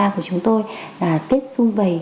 của chúng tôi là tết xuân về